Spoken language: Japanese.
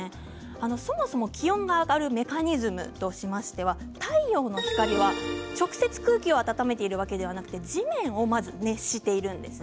そもそも気温が上がるメカニズムとしましては太陽の光は直接空気を暖めているわけではなくて地面をまず熱しています。